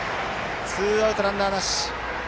ツーアウト、ランナーなし。